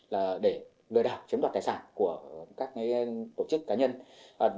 là để lừa đảo chiếm đoạt tài sản của các tổ chức cá nhân